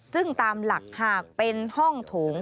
ซึ่งตามหลักหากเป็นห้องโถง